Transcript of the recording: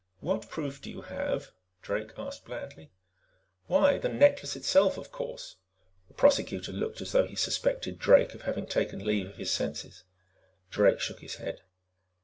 "What proof do you have?" Drake asked blandly. "Why, the necklace itself, of course!" The Prosecutor looked as though he suspected Drake of having taken leave of his senses. Drake shook his head.